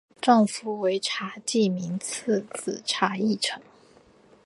丈夫为查济民次子查懋成。